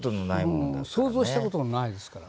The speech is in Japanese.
うん想像したこともないですから。